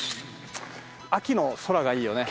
秋の空がいいよね。